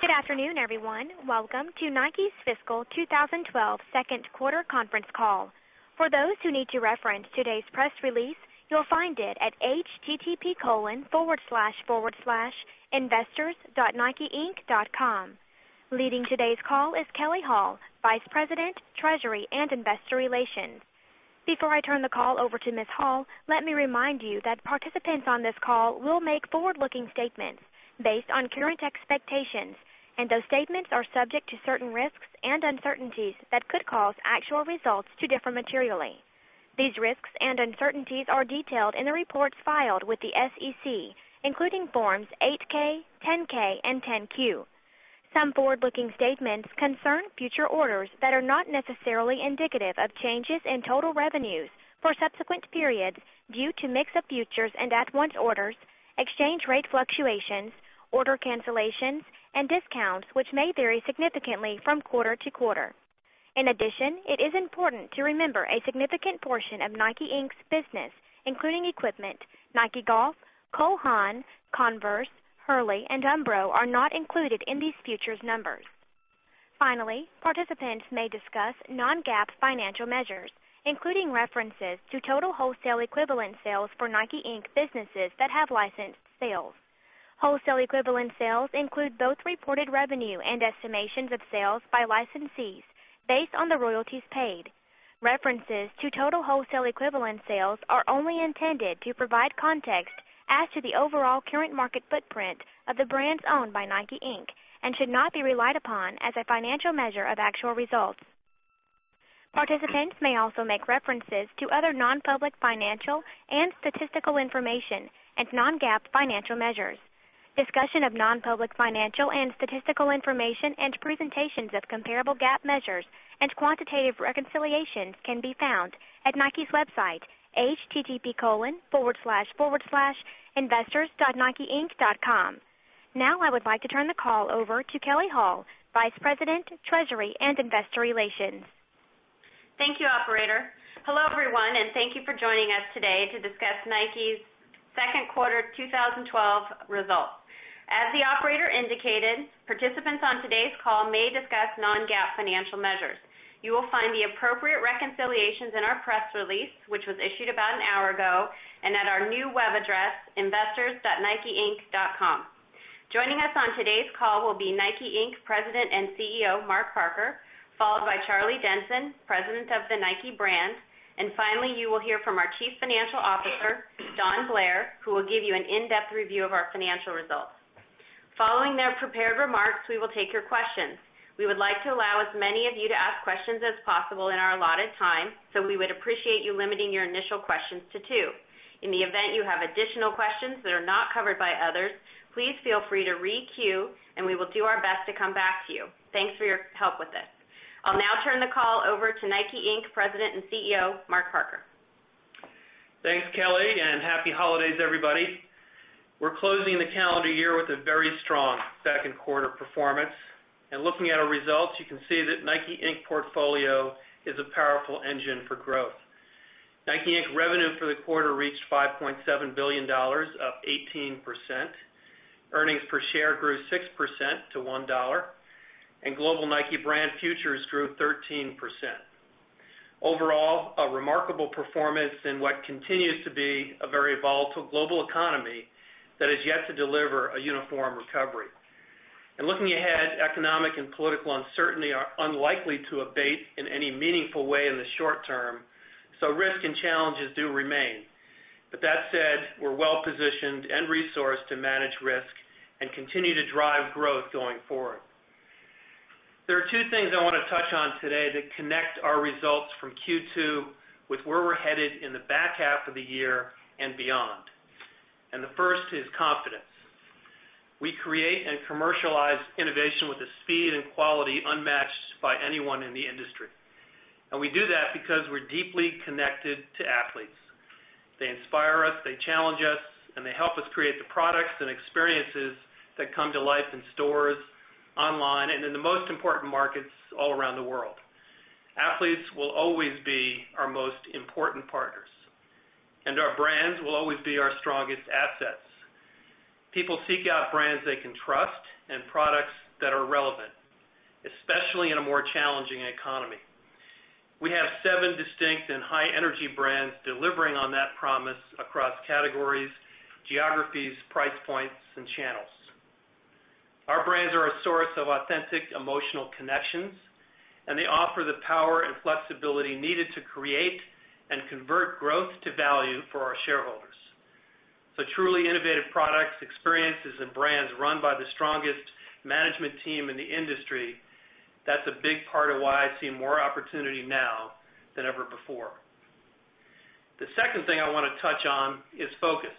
Good afternoon, everyone. Welcome to Nike's Fiscal 2012 Second Quarter Conference Call. For those who need to reference today's press release, you'll find it at http://investors.nikeinc.com. Leading today's call is Kelley Hall, Vice President, Treasury and Investor Relations. Before I turn the call over to Ms. Hall, let me remind you that participants on this call will make forward-looking statements based on current expectations, and those statements are subject to certain risks and uncertainties that could cause actual results to differ materially. These risks and uncertainties are detailed in the reports filed with the SEC, including Forms 8-K, 10-K, and 10-Q. Some forward-looking statements concern future orders that are not necessarily indicative of changes in total revenues for subsequent periods due to mix of futures and at-once orders, exchange rate fluctuations, order cancellations, and discounts which may vary significantly from quarter to quarter. In addition, it is important to remember a significant portion of NIKE, Inc.'s business, including equipment, Nike Golf, Cole Haan, Converse, Hurley, and Umbro, are not included in these futures numbers. Finally, participants may discuss non-GAAP financial measures, including references to total wholesale equivalent sales for NIKE, Inc. businesses that have licensed sales. Wholesale equivalent sales include both reported revenue and estimations of sales by licensees based on the royalties paid. References to total wholesale equivalent sales are only intended to provide context as to the overall current market footprint of the brands owned by NIKE, Inc. and should not be relied upon as a financial measure of actual results. Participants may also make references to other non-public financial and statistical information and non-GAAP financial measures. Discussion of non-public financial and statistical information and presentations of comparable GAAP measures and quantitative reconciliations can be found at Nike's website, http://investors.nikeinc.com. Now, I would like to turn the call over to Kelley Hall, Vice President, Treasury and Investor Relations. Thank you, Operator. Hello, everyone, and thank you for joining us today to discuss Nike's Second Quarter 2012 Results. As the Operator indicated, participants on today's call may discuss non-GAAP financial measures. You will find the appropriate reconciliations in our press release, which was issued about an hour ago, and at our new web address, investors.nikeinc.com. Joining us on today's call will be NIKE, Inc. President and CEO Mark Parker, followed by Charlie Denson, President of the Nike brand, and finally, you will hear from our Chief Financial Officer, Don Blair, who will give you an in-depth review of our financial results. Following their prepared remarks, we will take your questions. We would like to allow as many of you to ask questions as possible in our allotted time, so we would appreciate you limiting your initial questions to two. In the event you have additional questions that are not covered by others, please feel free to re-queue, and we will do our best to come back to you. Thanks for your help with this. I'll now turn the call over to NIKE, Inc. President and CEO Mark Parker. Thanks, Kelley, and happy holidays, everybody. We're closing the calendar year with a very strong second quarter performance, and looking at our results, you can see that the NIKE, Inc. portfolio is a powerful engine for growth. NIKE, Inc. revenue for the quarter reached $5.7 billion, up 18%. Earnings per share grew 6% to $1, and global Nike brand futures grew 13%. Overall, a remarkable performance in what continues to be a very volatile global economy that is yet to deliver a uniform recovery. Looking ahead, economic and political uncertainty are unlikely to abate in any meaningful way in the short term, so risk and challenges do remain. That said, we're well-positioned and resourced to manage risk and continue to drive growth going forward. There are two things I want to touch on today that connect our results from Q2 with where we're headed in the back half of the year and beyond. The first is confidence. We create and commercialize innovation with the speed and quality unmatched by anyone in the industry. We do that because we're deeply connected to athletes. They inspire us, they challenge us, and they help us create the products and experiences that come to life in stores, online, and in the most important markets all around the world. Athletes will always be our most important partners, and our brands will always be our strongest assets. People seek out brands they can trust and products that are relevant, especially in a more challenging economy. We have seven distinct and high-energy brands delivering on that promise across categories, geographies, price points, and channels. Our brands are a source of authentic emotional connections, and they offer the power and flexibility needed to create and convert growth to value for our shareholders. Truly innovative products, experiences, and brands run by the strongest management team in the industry, that's a big part of why I see more opportunity now than ever before. The second thing I want to touch on is focus.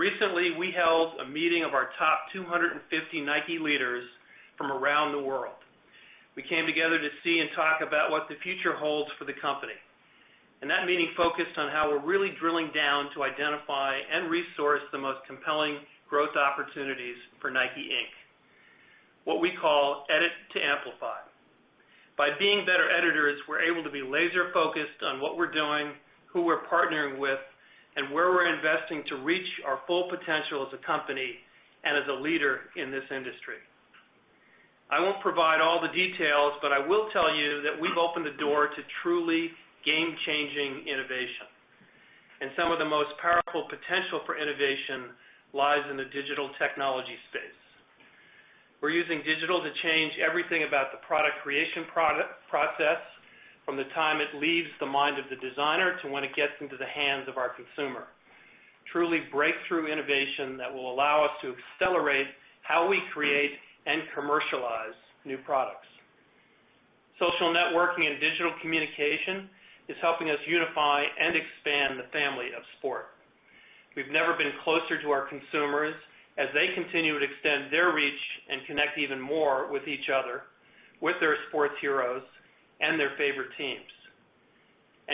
Recently, we held a meeting of our top 250 Nike leaders from around the world. We came together to see and talk about what the future holds for the company, and that meeting focused on how we're really drilling down to identify and resource the most compelling growth opportunities for NIKE, Inc., what we call edit to amplify. By being better editors, we're able to be laser-focused on what we're doing, who we're partnering with, and where we're investing to reach our full potential as a company and as a leader in this industry. I won't provide all the details, but I will tell you that we've opened the door to truly game-changing innovation, and some of the most powerful potential for innovation lies in the digital technology space. We're using digital to change everything about the product creation process from the time it leaves the mind of the designer to when it gets into the hands of our consumer. Truly breakthrough innovation that will allow us to accelerate how we create and commercialize new products. Social networking and digital communication is helping us unify and expand the family of sport. We've never been closer to our consumers as they continue to extend their reach and connect even more with each other, with their sports heroes, and their favorite teams.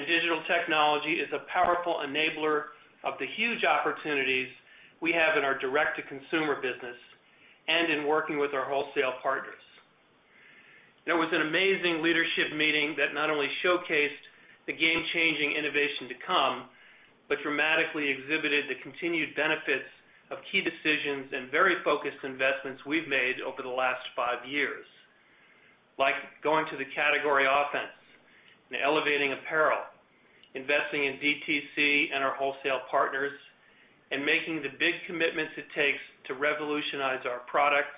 Digital technology is a powerful enabler of the huge opportunities we have in our direct-to-consumer business and in working with our wholesale partners. It was an amazing leadership meeting that not only showcased the game-changing innovation to come but dramatically exhibited the continued benefits of key decisions and very focused investments we've made over the last five years, like going to the category offense and elevating apparel, investing in DTC and our wholesale partners, and making the big commitments it takes to revolutionize our product,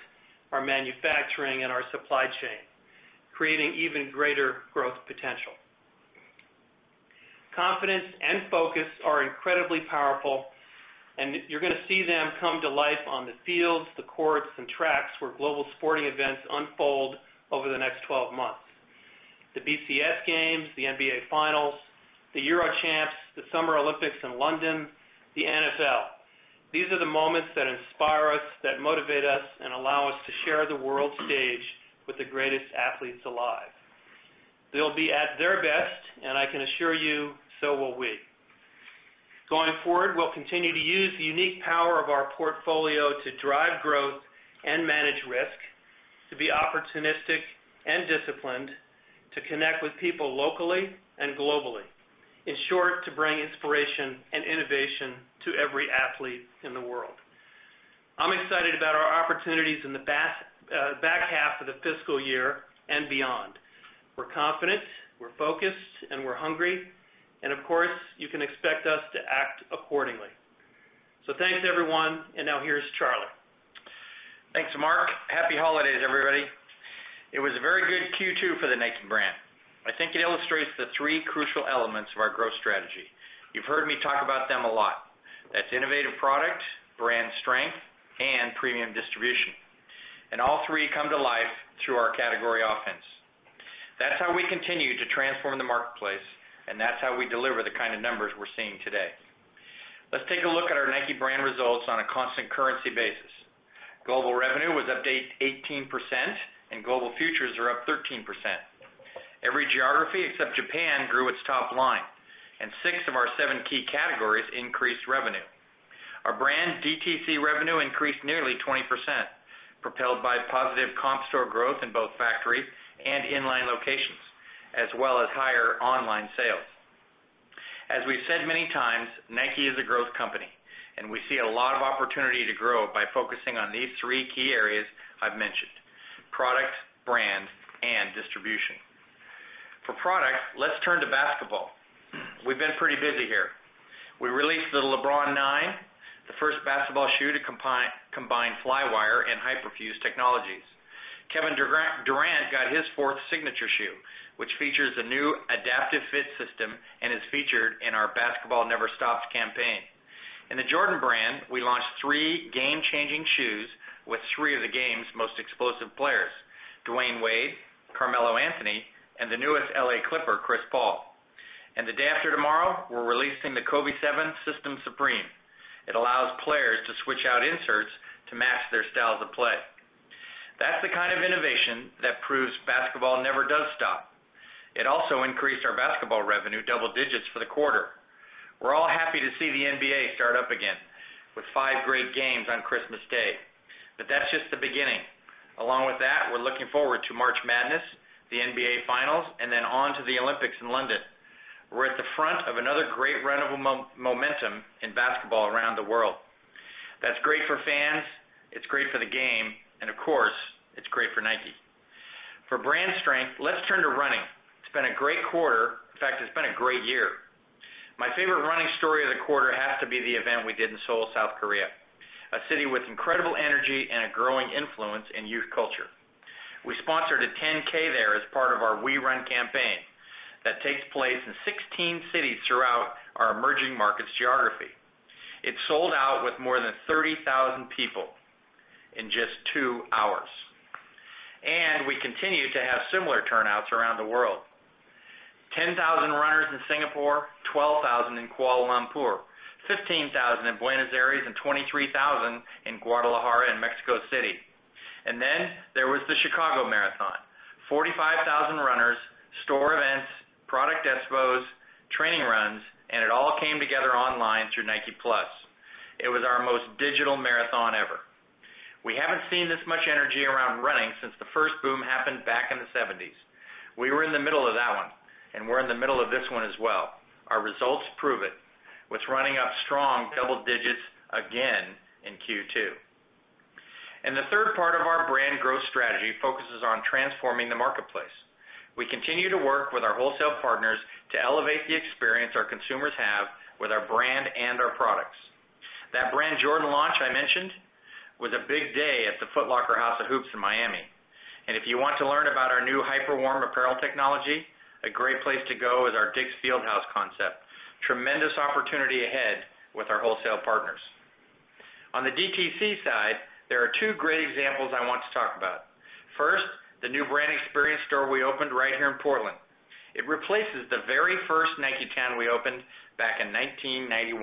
our manufacturing, and our supply chain, creating even greater growth potential. Confidence and focus are incredibly powerful, and you're going to see them come to life on the fields, the courts, and tracks where global sporting events unfold over the next 12 months: the BCS Games, the NBA Finals, the Euro Champs, the Summer Olympics in London, the NFL. These are the moments that inspire us, that motivate us, and allow us to share the world stage with the greatest athletes alive. They'll be at their best, and I can assure you so will we. Going forward, we'll continue to use the unique power of our portfolio to drive growth and manage risk, to be opportunistic and disciplined, to connect with people locally and globally, in short, to bring inspiration and innovation to every athlete in the world. I'm excited about our opportunities in the back half of the fiscal year and beyond. We're confident, we're focused, and we're hungry, and of course, you can expect us to act accordingly. Thanks, everyone, and now here's Charlie. Thanks to Mark. Happy holidays, everybody. It was a very good Q2 for the Nike brand. I think it illustrates the three crucial elements of our growth strategy. You've heard me talk about them a lot. That's innovative product, brand strength, and premium distribution, and all three come to life through our category offense. That's how we continue to transform the marketplace, and that's how we deliver the kind of numbers we're seeing today. Let's take a look at our Nike brand results on a constant currency basis. Global revenue was up 18%, and global futures are up 13%. Every geography except Japan grew its top line, and six of our seven key categories increased revenue. Our brand DTC revenue increased nearly 20%, propelled by positive comp store growth in both factory and inline locations, as well as higher online sales. As we've said many times, Nike is a growth company, and we see a lot of opportunity to grow by focusing on these three key areas I've mentioned: product, brand, and distribution. For product, let's turn to basketball. We've been pretty busy here. We released the LeBron 9, the first basketball shoe to combine Flywire and Hyperfuse technologies. Kevin Durant got his fourth signature shoe, which features a new adaptive fit system and is featured in our Basketball Never Stops campaign. In the Jordan brand, we launched three game-changing shoes with three of the game's most explosive players: Dwyane Wade, Carmelo Anthony, and the newest LA Clipper, Chris Paul. The day after tomorrow, we're releasing the Kobe 7 System Supreme. It allows players to switch out inserts to match their styles of play. That's the kind of innovation that proves basketball never does stop. It also increased our basketball revenue double digits for the quarter. We're all happy to see the NBA start up again with five great games on Christmas Day, but that's just the beginning. Along with that, we're looking forward to March Madness, the NBA Finals, and then on to the Olympics in London. We're at the front of another great run of momentum in basketball around the world. That's great for fans, it's great for the game, and of course, it's great for Nike. For brand strength, let's turn to running. It's been a great quarter. In fact, it's been a great year. My favorite running story of the quarter has to be the event we did in Seoul, South Korea, a city with incredible energy and a growing influence in youth culture. We sponsored a 10K there as part of our We Run campaign that takes place in 16 cities throughout our emerging markets geography. It sold out with more than 30,000 people in just two hours, and we continue to have similar turnouts around the world: 10,000 runners in Singapore, 12,000 in Kuala Lumpur, 15,000 in Buenos Aires, and 23,000 in Guadalajara and Mexico City. There was the Chicago Marathon: 45,000 runners, store events, product expos, training runs, and it all came together online through Nike+. It was our most digital marathon ever. We haven't seen this much energy around running since the first boom happened back in the 1970s. We were in the middle of that one, and we're in the middle of this one as well. Our results prove it, with running up strong double digits again in Q2. The third part of our brand growth strategy focuses on transforming the marketplace. We continue to work with our wholesale partners to elevate the experience our consumers have with our brand and our products. That brand Jordan launch I mentioned was a big day at the Foot Locker House of Hoops in Miami. If you want to learn about our new Hyperwarm apparel technology, a great place to go is our DICK'S Field House concept. Tremendous opportunity ahead with our wholesale partners. On the DTC side, there are two great examples I want to talk about. First, the new brand experience store we opened right here in Portland. It replaces the very first NikeTown we opened back in 1991.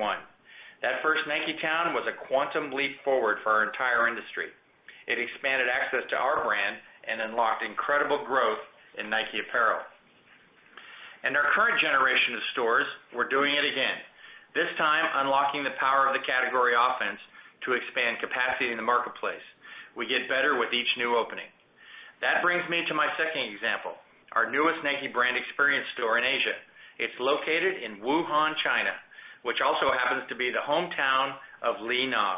That first NikeTown was a quantum leap forward for our entire industry. It expanded access to our brand and unlocked incredible growth in Nike apparel. Our current generation of stores, we're doing it again, this time unlocking the power of the category offense to expand capacity in the marketplace. We get better with each new opening. That brings me to my second example, our newest Nike brand experience store in Asia. It's located in Wuhan, China, which also happens to be the hometown of Li Na.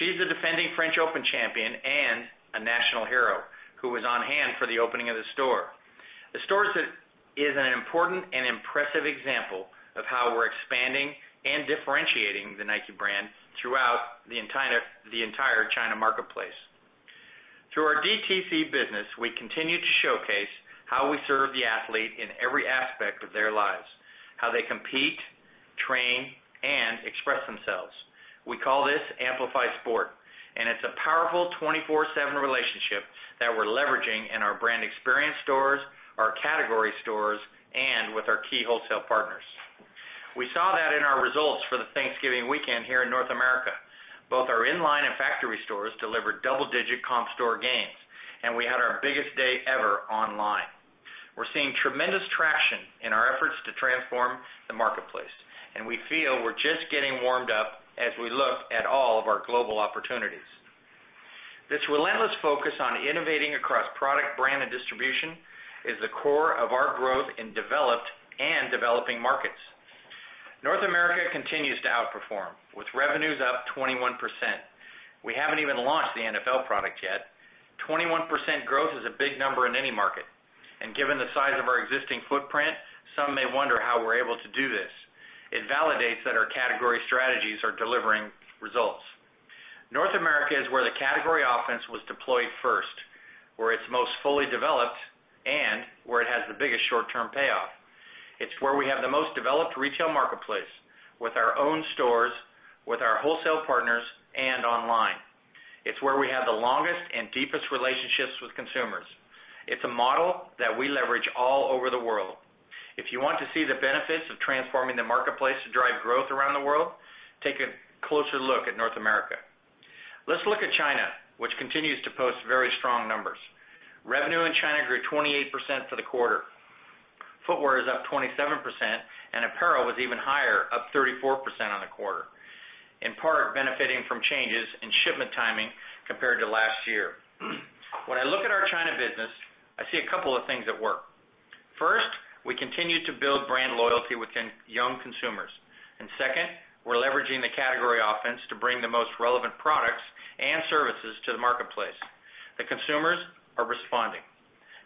She's the defending French Open champion and a national hero who was on hand for the opening of the store. The store is an important and impressive example of how we're expanding and differentiating the Nike brand throughout the entire China marketplace. Through our DTC business, we continue to showcase how we serve the athlete in every aspect of their lives, how they compete, train, and express themselves. We call this amplified sport, and it's a powerful 24/7 relationship that we're leveraging in our brand experience stores, our category stores, and with our key wholesale partners. We saw that in our results for the Thanksgiving weekend here in North America. Both our inline and factory stores delivered double-digit comp store gains, and we had our biggest day ever online. We're seeing tremendous traction in our efforts to transform the marketplace, and we feel we're just getting warmed up as we look at all of our global opportunities. This relentless focus on innovating across product, brand, and distribution is the core of our growth in developed and developing markets. North America continues to outperform, with revenues up 21%. We haven't even launched the NFL product yet. 21% growth is a big number in any market, and given the size of our existing footprint, some may wonder how we're able to do this. It validates that our category strategies are delivering results. North America is where the category offense was deployed first, where it's most fully developed, and where it has the biggest short-term payoff. It's where we have the most developed retail marketplace, with our own stores, with our wholesale partners, and online. It's where we have the longest and deepest relationships with consumers. It's a model that we leverage all over the world. If you want to see the benefits of transforming the marketplace to drive growth around the world, take a closer look at North America. Let's look at China, which continues to post very strong numbers. Revenue in China grew 28% for the quarter. Footwear is up 27%, and apparel was even higher, up 34% on the quarter, in part benefiting from changes in shipment timing compared to last year. When I look at our China business, I see a couple of things at work. First, we continue to build brand loyalty within young consumers, and second, we're leveraging the category offense to bring the most relevant products and services to the marketplace. The consumers are responding.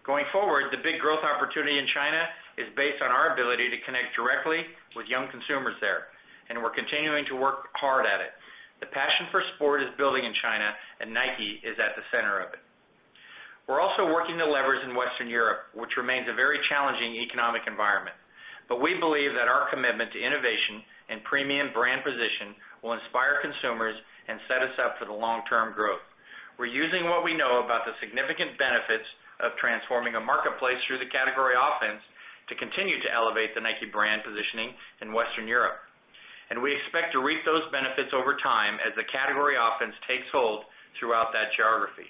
Going forward, the big growth opportunity in China is based on our ability to connect directly with young consumers there, and we're continuing to work hard at it. The passion for sport is building in China, and Nike is at the center of it. We're also working the levers in Western Europe, which remains a very challenging economic environment, but we believe that our commitment to innovation and premium brand position will inspire consumers and set us up for long-term growth. We're using what we know about the significant benefits of transforming a marketplace through the category offense to continue to elevate the Nike brand positioning in Western Europe, and we expect to reap those benefits over time as the category offense takes hold throughout that geography.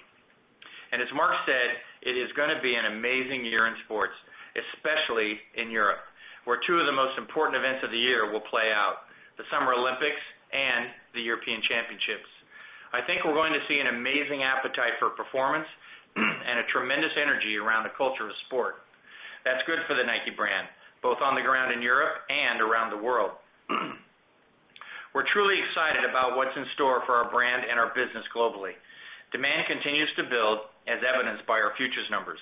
As Mark said, it is going to be an amazing year in sports, especially in Europe, where two of the most important events of the year will play out: the Summer Olympics and the European Championships. I think we're going to see an amazing appetite for performance and a tremendous energy around the culture of sport. That's good for the Nike brand, both on the ground in Europe and around the world. We're truly excited about what's in store for our brand and our business globally. Demand continues to build, as evidenced by our futures numbers.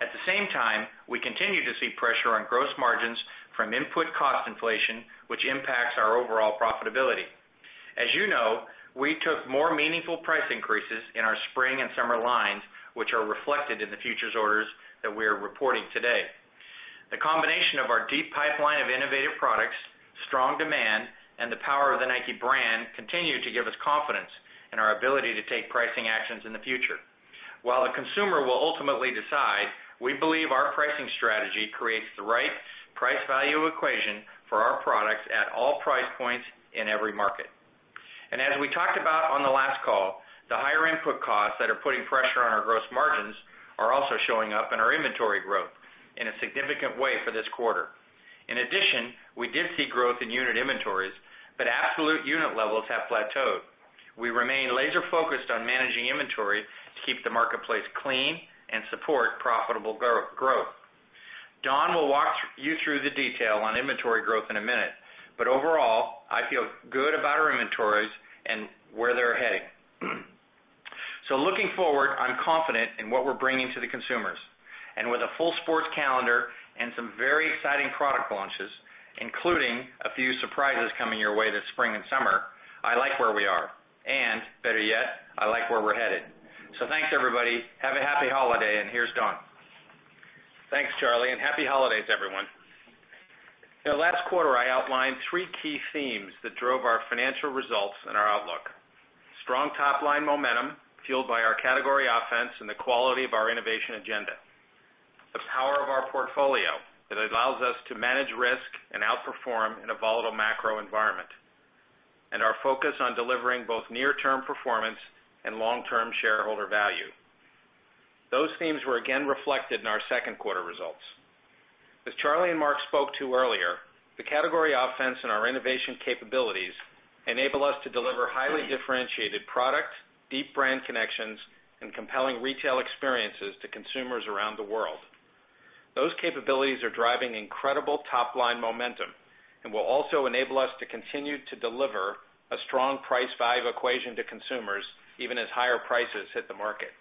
At the same time, we continue to see pressure on gross margins from input cost inflation, which impacts our overall profitability. As you know, we took more meaningful price increases in our spring and summer lines, which are reflected in the futures orders that we are reporting today. The combination of our deep pipeline of innovative products, strong demand, and the power of the Nike brand continue to give us confidence in our ability to take pricing actions in the future. While the consumer will ultimately decide, we believe our pricing strategy creates the right price-value equation for our products at all price points in every market. As we talked about on the last call, the higher input costs that are putting pressure on our gross margins are also showing up in our inventory growth in a significant way for this quarter. In addition, we did see growth in unit inventories, but absolute unit levels have plateaued. We remain laser-focused on managing inventory to keep the marketplace clean and support profitable growth. Don will walk you through the detail on inventory growth in a minute, but overall, I feel good about our inventories and where they're heading. Looking forward, I'm confident in what we're bringing to the consumers, and with a full sports calendar and some very exciting product launches, including a few surprises coming your way this spring and summer, I like where we are, and better yet, I like where we're headed. Thanks, everybody. Have a happy holiday, and here's Don. Thanks, Charlie, and happy holidays, everyone. The last quarter, I outlined three key themes that drove our financial results and our outlook: strong top-line momentum fueled by our category offense and the quality of our innovation agenda, the power of our portfolio that allows us to manage risk and outperform in a volatile macro environment, and our focus on delivering both near-term performance and long-term shareholder value. Those themes were again reflected in our second quarter results. As Charlie and Mark spoke to earlier, the category offense and our innovation capabilities enable us to deliver highly differentiated product, deep brand connections, and compelling retail experiences to consumers around the world. Those capabilities are driving incredible top-line momentum and will also enable us to continue to deliver a strong price-value equation to consumers, even as higher prices hit the market.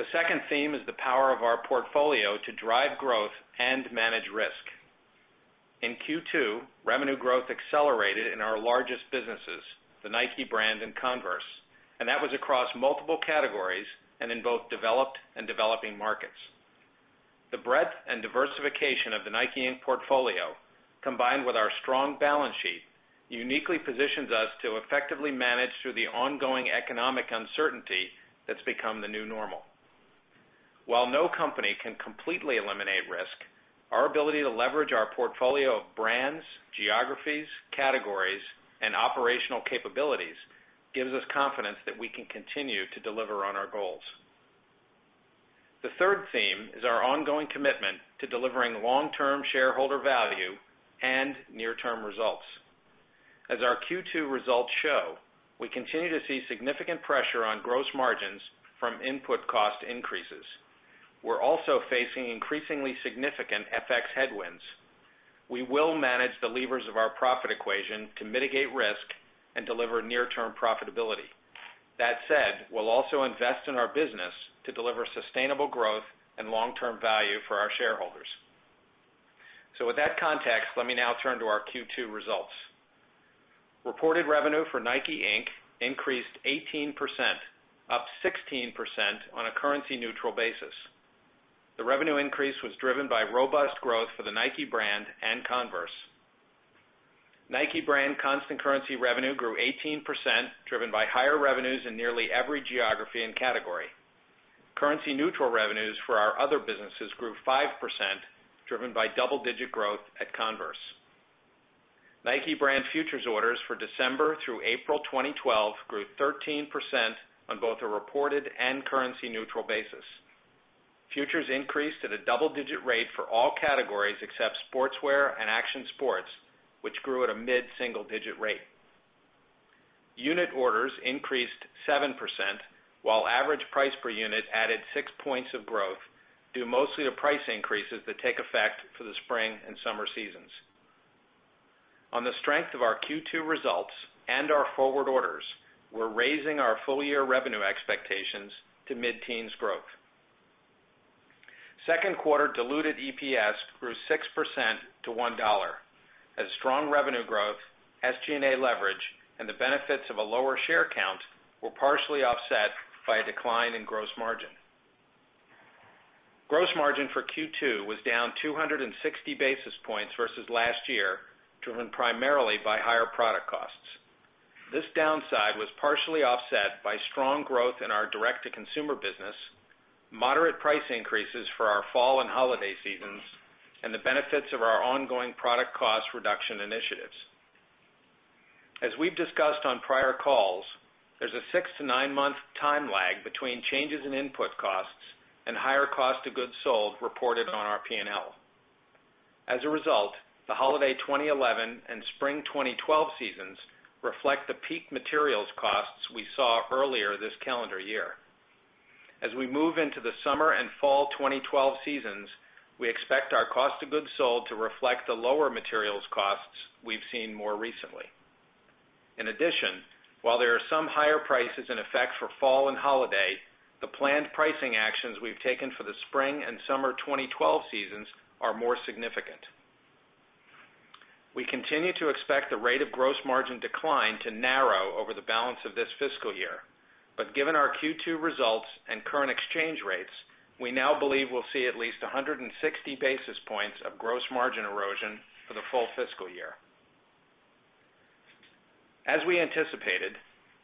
The second theme is the power of our portfolio to drive growth and manage risk. In Q2, revenue growth accelerated in our largest businesses, the Nike brand and Converse, and that was across multiple categories and in both developed and developing markets. The breadth and diversification of the NIKE, Inc. portfolio, combined with our strong balance sheet, uniquely positions us to effectively manage through the ongoing economic uncertainty that's become the new normal. While no company can completely eliminate risk, our ability to leverage our portfolio of brands, geographies, categories, and operational capabilities gives us confidence that we can continue to deliver on our goals. The third theme is our ongoing commitment to delivering long-term shareholder value and near-term results. As our Q2 results show, we continue to see significant pressure on gross margins from input cost increases. We're also facing increasingly significant FX headwinds. We will manage the levers of our profit equation to mitigate risk and deliver near-term profitability. That said, we will also invest in our business to deliver sustainable growth and long-term value for our shareholders. With that context, let me now turn to our Q2 results. Reported revenue for NIKE, Inc. increased 18%, up 16% on a currency-neutral basis. The revenue increase was driven by robust growth for the Nike brand and Converse. Nike brand constant currency revenue grew 18%, driven by higher revenues in nearly every geography and category. Currency-neutral revenues for our other businesses grew 5%, driven by double-digit growth at Converse. Nike brand futures orders for December through April 2012 grew 13% on both a reported and currency-neutral basis. Futures increased at a double-digit rate for all categories except sportswear and action sports, which grew at a mid-single-digit rate. Unit orders increased 7%, while average price per unit added six points of growth, due mostly to price increases that take effect for the spring and summer seasons. On the strength of our Q2 results and our forward orders, we're raising our full-year revenue expectations to mid-teens growth. Second quarter diluted EPS grew 6% to $1, as strong revenue growth, SG&A leverage, and the benefits of a lower share count were partially offset by a decline in gross margin. Gross margin for Q2 was down 260 basis points versus last year, driven primarily by higher product costs. This downside was partially offset by strong growth in our direct-to-consumer business, moderate price increases for our fall and holiday seasons, and the benefits of our ongoing product cost reduction initiatives. As we've discussed on prior calls, there's a six to nine-month time lag between changes in input costs and higher costs to goods sold reported on our P&L. As a result, the holiday 2011 and spring 2012 seasons reflect the peak materials costs we saw earlier this calendar year. As we move into the summer and fall 2012 seasons, we expect our cost of goods sold to reflect the lower materials costs we've seen more recently. In addition, while there are some higher prices in effect for fall and holiday, the planned pricing actions we've taken for the spring and summer 2012 seasons are more significant. We continue to expect the rate of gross margin decline to narrow over the balance of this fiscal year, but given our Q2 results and current exchange rates, we now believe we'll see at least 160 basis points of gross margin erosion for the full fiscal year. As we anticipated,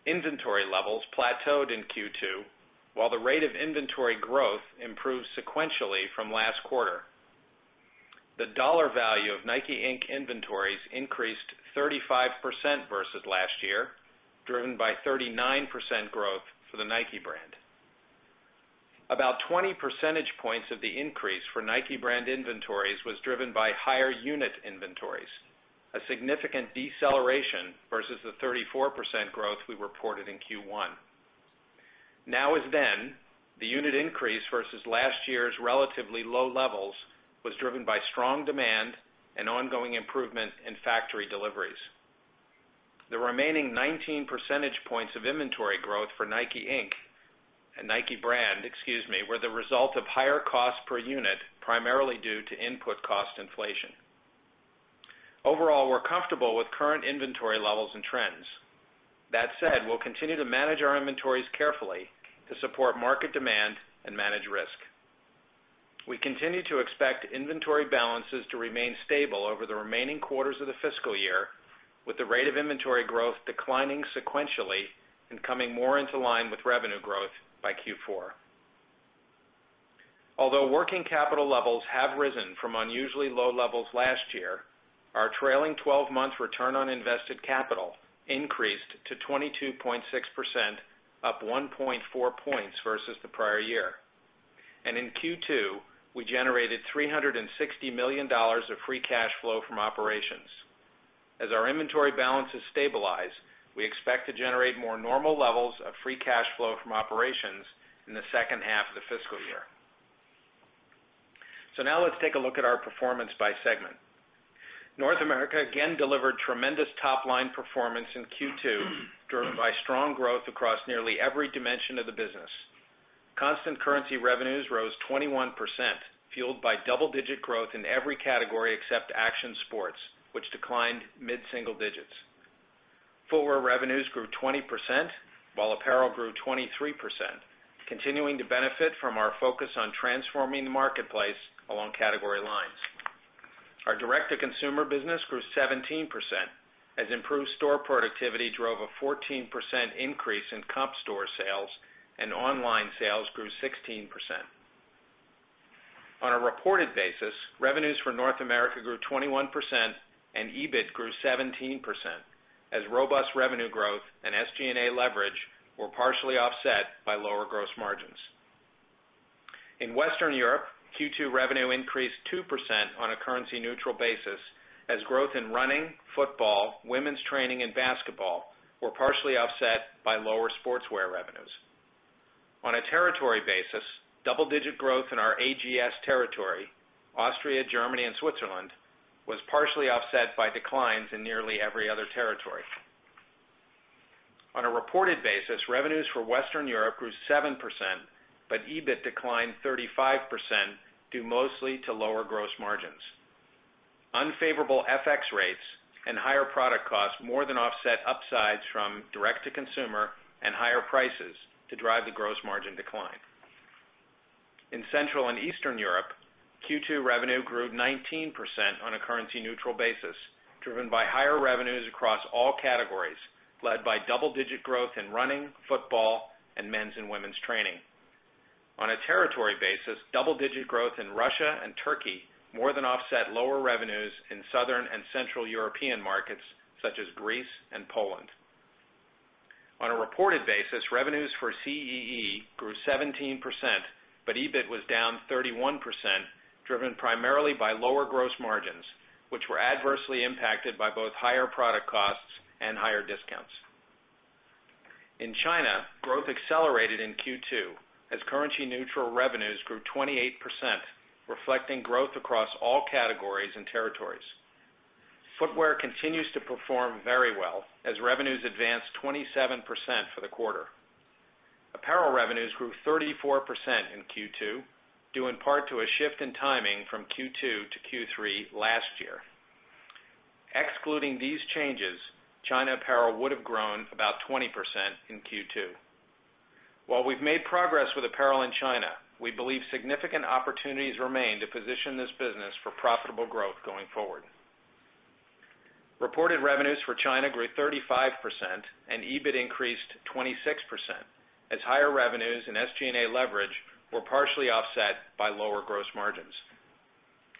inventory levels plateaued in Q2, while the rate of inventory growth improved sequentially from last quarter. The dollar value of NIKE, Inc. inventories increased 35% versus last year, driven by 39% growth for the Nike brand. About 20 percentage points of the increase for Nike brand inventories was driven by higher unit inventories, a significant deceleration versus the 34% growth we reported in Q1. Now as then, the unit increase versus last year's relatively low levels was driven by strong demand and ongoing improvement in factory deliveries. The remaining 19% of inventory growth for NIKE, Inc. and Nike brand, excuse me, were the result of higher costs per unit, primarily due to input cost inflation. Overall, we're comfortable with current inventory levels and trends. That said, we'll continue to manage our inventories carefully to support market demand and manage risk. We continue to expect inventory balances to remain stable over the remaining quarters of the fiscal year, with the rate of inventory growth declining sequentially and coming more into line with revenue growth by Q4. Although working capital levels have risen from unusually low levels last year, our trailing 12-month return on invested capital increased to 22.6%, up 1.4 points versus the prior year. In Q2, we generated $360 million of free cash flow from operations. As our inventory balances stabilize, we expect to generate more normal levels of free cash flow from operations in the second half of the fiscal year. Now let's take a look at our performance by segment. North America again delivered tremendous top-line performance in Q2, driven by strong growth across nearly every dimension of the business. Constant currency revenues rose 21%, fueled by double-digit growth in every category except action sports, which declined mid-single digits. Footwear revenues grew 20%, while apparel grew 23%, continuing to benefit from our focus on transforming the marketplace along category lines. Our direct-to-consumer business grew 17%, as improved store productivity drove a 14% increase in comp store sales, and online sales grew 16%. On a reported basis, revenues for North America grew 21%, and EBIT grew 17%, as robust revenue growth and SG&A leverage were partially offset by lower gross margins. In Western Europe, Q2 revenue increased 2% on a currency-neutral basis, as growth in running, football, women's training, and basketball were partially offset by lower sportswear revenues. On a territory basis, double-digit growth in our AGS territory, Austria, Germany, and Switzerland was partially offset by declines in nearly every other territory. On a reported basis, revenues for Western Europe grew 7%, but EBIT declined 35%, due mostly to lower gross margins. Unfavorable FX rates and higher product costs more than offset upsides from direct-to-consumer and higher prices to drive the gross margin decline. In Central and Eastern Europe, Q2 revenue grew 19% on a currency-neutral basis, driven by higher revenues across all categories, led by double-digit growth in running, football, and men's and women's training. On a territory basis, double-digit growth in Russia and Turkey more than offset lower revenues in Southern and Central European markets, such as Greece and Poland. On a reported basis, revenues for CEE grew 17%, but EBIT was down 31%, driven primarily by lower gross margins, which were adversely impacted by both higher product costs and higher discounts. In China, growth accelerated in Q2, as currency-neutral revenues grew 28%, reflecting growth across all categories and territories. Footwear continues to perform very well, as revenues advanced 27% for the quarter. Apparel revenues grew 34% in Q2, due in part to a shift in timing from Q2 to Q3 last year. Excluding these changes, China apparel would have grown about 20% in Q2. While we've made progress with apparel in China, we believe significant opportunities remain to position this business for profitable growth going forward. Reported revenues for China grew 35%, and EBIT increased 26%, as higher revenues and SG&A leverage were partially offset by lower gross margins.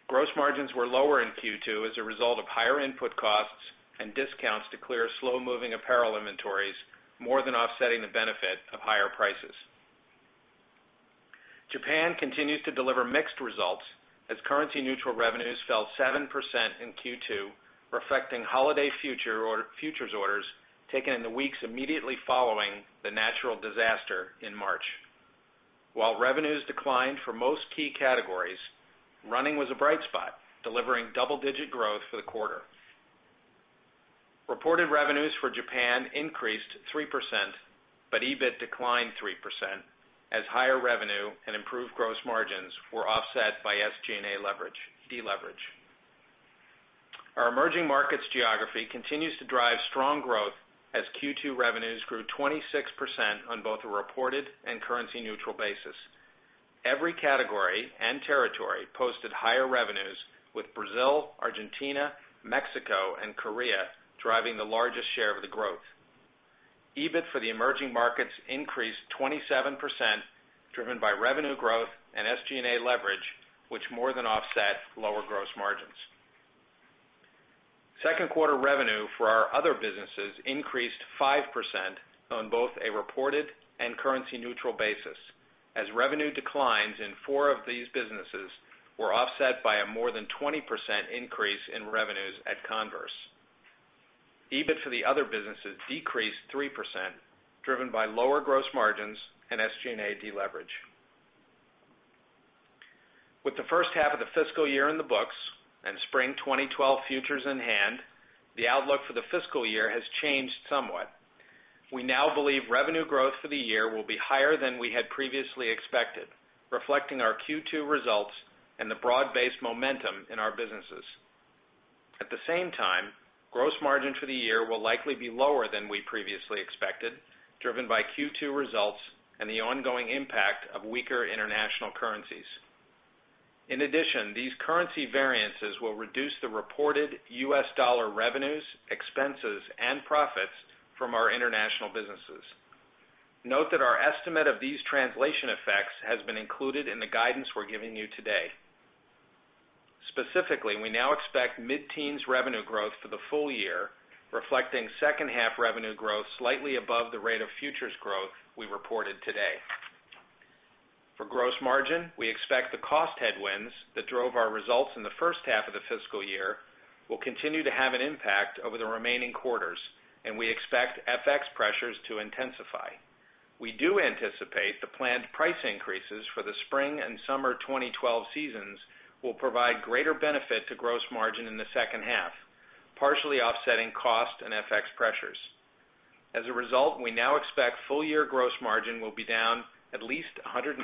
Gross margins were lower in Q2 as a result of higher input costs and discounts to clear slow-moving apparel inventories, more than offsetting the benefit of higher prices. Japan continues to deliver mixed results, as currency-neutral revenues fell 7% in Q2, reflecting holiday futures orders taken in the weeks immediately following the natural disaster in March. While revenues declined for most key categories, running was a bright spot, delivering double-digit growth for the quarter. Reported revenues for Japan increased 3%, but EBIT declined 3%, as higher revenue and improved gross margins were offset by SG&A leverage. Our emerging markets geography continues to drive strong growth, as Q2 revenues grew 26% on both a reported and currency-neutral basis. Every category and territory posted higher revenues, with Brazil, Argentina, Mexico, and Korea driving the largest share of the growth. EBIT for the emerging markets increased 27%, driven by revenue growth and SG&A leverage, which more than offset lower gross margins. Second quarter revenue for our other businesses increased 5% on both a reported and currency-neutral basis, as revenue declines in four of these businesses were offset by a more than 20% increase in revenues at Converse. EBIT for the other businesses decreased 3%, driven by lower gross margins and SG&A deleverage. With the first half of the fiscal year in the books and spring 2012 futures in hand, the outlook for the fiscal year has changed somewhat. We now believe revenue growth for the year will be higher than we had previously expected, reflecting our Q2 results and the broad-based momentum in our businesses. At the same time, gross margins for the year will likely be lower than we previously expected, driven by Q2 results and the ongoing impact of weaker international currencies. In addition, these currency variances will reduce the reported U.S. dollar revenues, expenses, and profits from our international businesses. Note that our estimate of these translation effects has been included in the guidance we're giving you today. Specifically, we now expect mid-teens revenue growth for the full year, reflecting second-half revenue growth slightly above the rate of futures growth we reported today. For gross margin, we expect the cost headwinds that drove our results in the first half of the fiscal year will continue to have an impact over the remaining quarters, and we expect FX pressures to intensify. We do anticipate the planned price increases for the spring and summer 2012 seasons will provide greater benefit to gross margin in the second half, partially offsetting cost and FX pressures. As a result, we now expect full-year gross margin will be down at least 160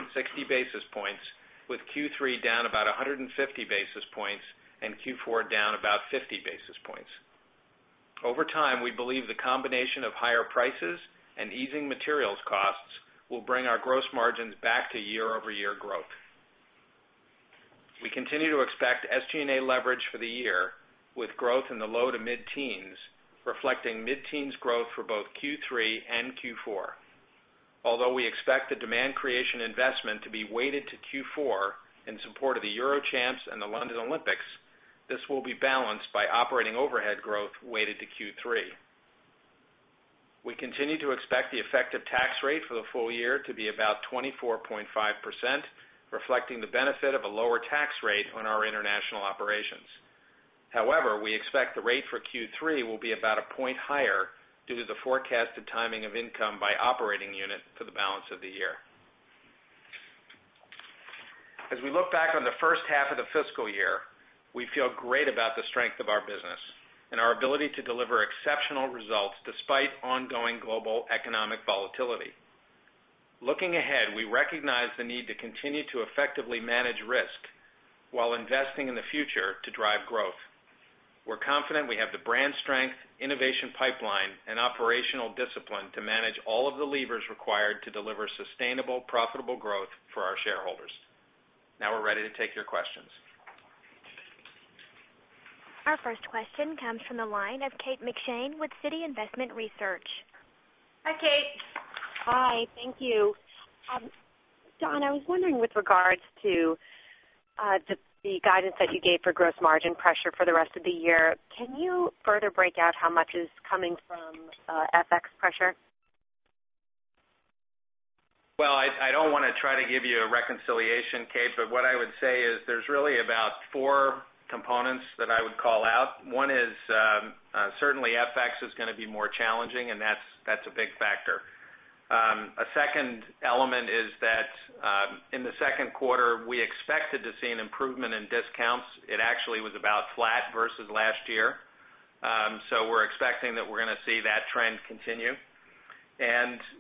basis points, with Q3 down about 150 basis points and Q4 down about 50 basis points. Over time, we believe the combination of higher prices and easing materials costs will bring our gross margins back to year-over-year growth. We continue to expect SG&A leverage for the year, with growth in the low to mid-teens, reflecting mid-teens growth for both Q3 and Q4. Although we expect the demand creation investment to be weighted to Q4 in support of the Euro Champs and the London Olympics, this will be balanced by operating overhead growth weighted to Q3. We continue to expect the effective tax rate for the full year to be about 24.5%, reflecting the benefit of a lower tax rate on our international operations. However, we expect the rate for Q3 will be about a point higher due to the forecasted timing of income by operating unit for the balance of the year. As we look back on the first half of the fiscal year, we feel great about the strength of our business and our ability to deliver exceptional results despite ongoing global economic volatility. Looking ahead, we recognize the need to continue to effectively manage risk while investing in the future to drive growth. We're confident we have the brand strength, innovation pipeline, and operational discipline to manage all of the levers required to deliver sustainable, profitable growth for our shareholders. Now we're ready to take your questions. Our first question comes from the line of Kate McShane with Citi Investment Research. Hi, Kate. Hi, thank you. Don, I was wondering, with regards to the guidance that you gave for gross margin pressure for the rest of the year, can you further break out how much is coming from FX pressure? I don't want to try to give you a reconciliation, Kate, but what I would say is there's really about four components that I would call out. One is certainly FX is going to be more challenging, and that's a big factor. A second element is that in the second quarter, we expected to see an improvement in discounts. It actually was about flat versus last year, so we're expecting that we're going to see that trend continue.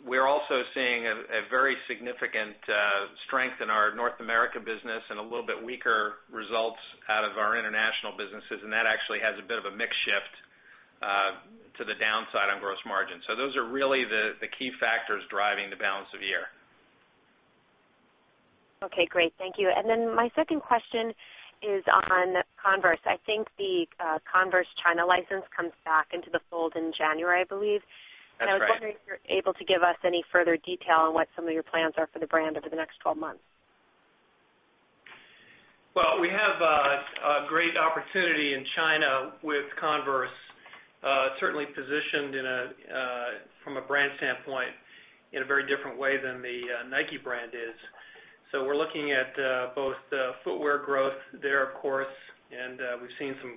We're also seeing a very significant strength in our North America business and a little bit weaker results out of our international businesses, and that actually has a bit of a mix shift to the downside on gross margins. Those are really the key factors driving the balance of year. Okay, great, thank you. My second question is on Converse. I think the Converse China license comes back into the fold in January, I believe. That's right. Are you able to give us any further detail on what some of your plans are for the brand over the next 12 months? We have a great opportunity in China with Converse, certainly positioned from a brand standpoint in a very different way than the Nike brand is. We're looking at both footwear growth there, of course, and we've seen some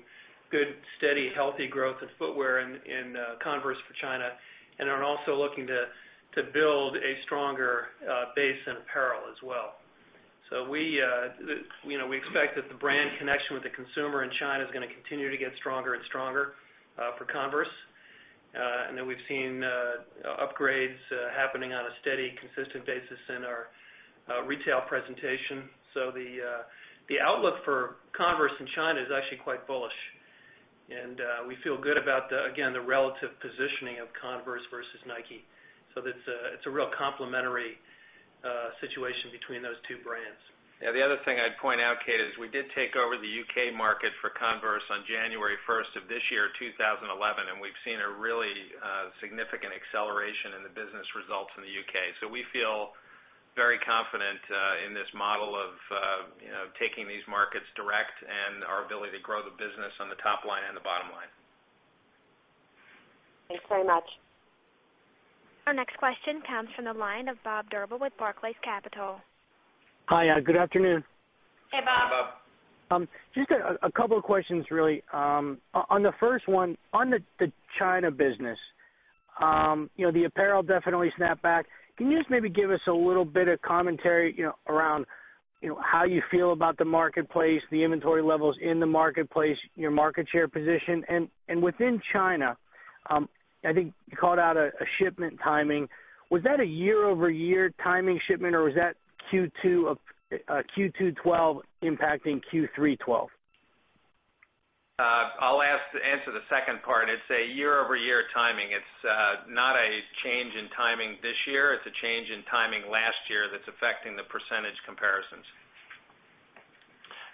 good, steady, healthy growth in footwear in Converse for China, and are also looking to build a stronger base in apparel as well. We expect that the brand connection with the consumer in China is going to continue to get stronger and stronger for Converse, and we've seen upgrades happening on a steady, consistent basis in our retail presentation. The outlook for Converse in China is actually quite bullish, and we feel good about, again, the relative positioning of Converse versus Nike. It's a real complementary situation between those two brands. The other thing I'd point out, Kate, is we did take over the U.K. market for Converse on January 1st, 2011, and we've seen a really significant acceleration in the business results in the U.K.. We feel very confident in this model of taking these markets direct and our ability to grow the business on the top line and the bottom line. Thanks very much. Our next question comes from the line of Bob Drbul with Barclays Capital. Hi, good afternoon. Hey, Bob. Hi, Bob. Just a couple of questions, really. On the first one, on the China business, you know, the apparel definitely snapped back. Can you just maybe give us a little bit of commentary around how you feel about the marketplace, the inventory levels in the marketplace, your market share position? Within China, I think you called out a shipment timing. Was that a year-over-year timing shipment, or was that Q2 of Q2 2012 impacting Q3 2012? I'll answer the second part. It's a year-over-year timing. It's not a change in timing this year, it's a change in timing last year that's affecting the percentage comparisons.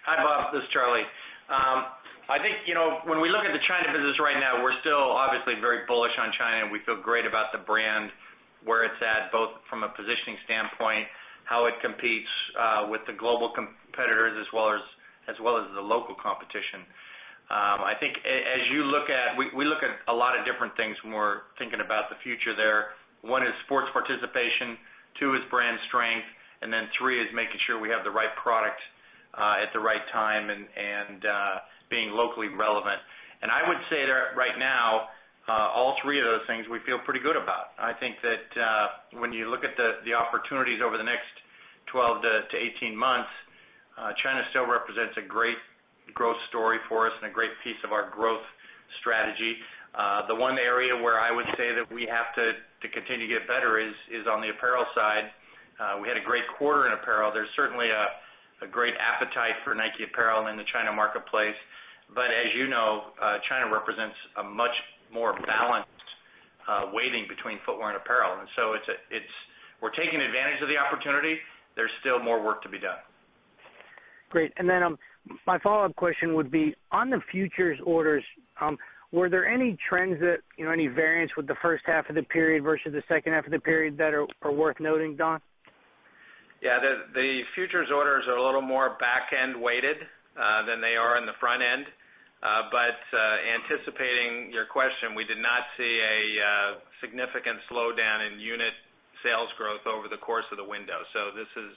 Hi, Bob. This is Charlie. I think, you know, when we look at the China business right now, we're still obviously very bullish on China, and we feel great about the brand, where it's at, both from a positioning standpoint, how it competes with the global competitors, as well as the local competition. I think as you look at, we look at a lot of different things when we're thinking about the future there. One is sports participation, two is brand strength, and then three is making sure we have the right product at the right time and being locally relevant. I would say that right now, all three of those things we feel pretty good about. I think that when you look at the opportunities over the next 12-18 months, China still represents a great growth story for us and a great piece of our growth strategy. The one area where I would say that we have to continue to get better is on the apparel side. We had a great quarter in apparel. There's certainly a great appetite for Nike apparel in the China marketplace, but as you know, China represents a much more balanced weighting between footwear and apparel. We're taking advantage of the opportunity. There's still more work to be done. Great. My follow-up question would be, on the futures orders, were there any trends that, you know, any variance with the first half of the period versus the second half of the period that are worth noting, Don? Yeah, the futures orders are a little more back-end weighted than they are in the front end, but anticipating your question, we did not see a significant slowdown in unit sales growth over the course of the window. This is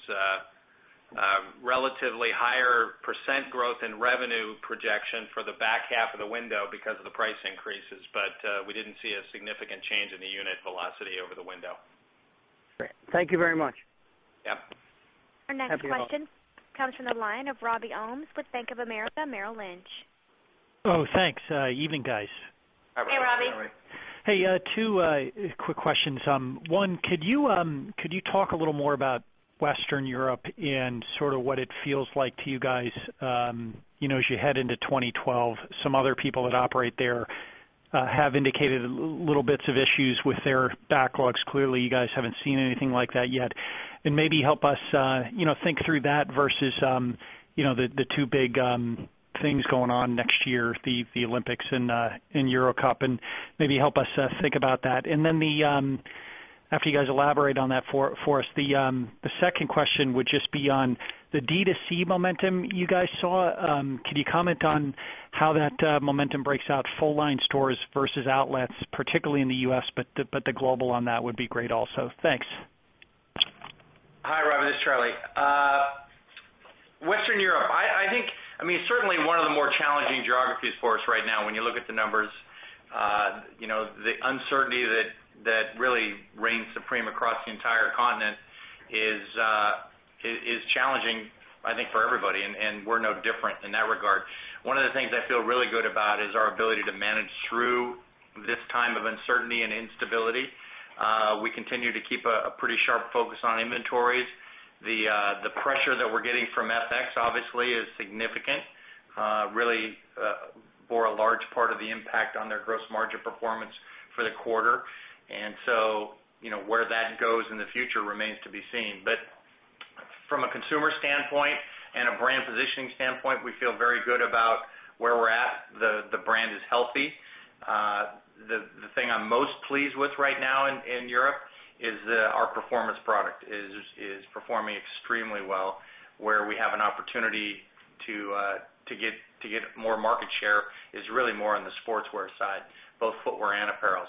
a relatively higher percent growth in revenue projection for the back half of the window because of the price increases, but we didn't see a significant change in the unit velocity over the window. Great, thank you very much. Yep. Our next question comes from the line of Robbie Ohmes with Bank of America Merrill Lynch. Oh, thanks. Evening, guys. Hey, Robbie. Hey, two quick questions. One, could you talk a little more about Western Europe and sort of what it feels like to you guys as you head into 2012? Some other people that operate there have indicated little bits of issues with their backlogs. Clearly, you guys haven't seen anything like that yet. Maybe help us think through that versus the two big things going on next year, the Olympics and Euro Cup, and maybe help us think about that. After you guys elaborate on that for us, the second question would just be on the DTC momentum you guys saw. Could you comment on how that momentum breaks out full-line stores versus outlets, particularly in the U.S., but the global on that would be great also? Thanks. Hi, Robbie. This is Charlie. Western Europe, I think, certainly one of the more challenging geographies for us right now when you look at the numbers. The uncertainty that really reigns supreme across the entire continent is challenging, I think, for everybody, and we're no different in that regard. One of the things I feel really good about is our ability to manage through this time of uncertainty and instability. We continue to keep a pretty sharp focus on inventories. The pressure that we're getting from FX obviously is significant, really for a large part of the impact on their gross margin performance for the quarter. Where that goes in the future remains to be seen. From a consumer standpoint and a brand positioning standpoint, we feel very good about where we're at. The brand is healthy. The thing I'm most pleased with right now in Europe is our performance product is performing extremely well. Where we have an opportunity to get more market share is really more on the sportswear side, both footwear and apparel.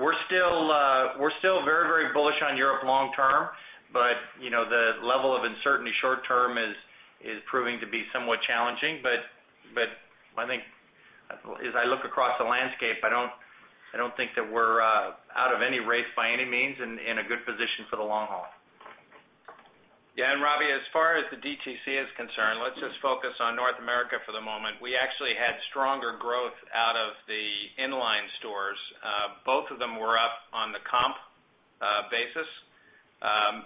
We're still very, very bullish on Europe long term, but the level of uncertainty short term is proving to be somewhat challenging. I think as I look across the landscape, I don't think that we're out of any race by any means and in a good position for the long haul. Yeah, and Robbie, as far as the DTC is concerned, let's just focus on North America for the moment. We actually had stronger growth out of the inline stores. Both of them were up on the comp basis,